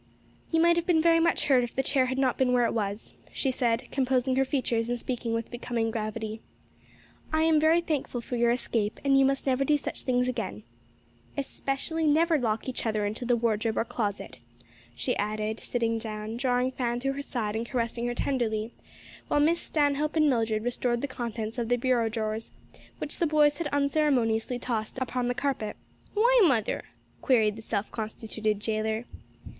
"You might have been very much hurt if the chair had not been where it was," she said, composing her features and speaking with becoming gravity, "I am very thankful for your escape, and you must never do such things again. Especially never lock each other into a wardrobe or closet," she added sitting down, drawing Fan to her side and caressing her tenderly, while Miss Stanhope and Mildred restored the contents of the bureau drawers, which the boys had unceremoniously tossed upon the carpet. "Why, mother?" queried the self constituted jailor.